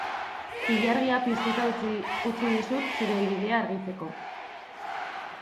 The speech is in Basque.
Ilargia piztuta utzi dizut zure bidea argitzeko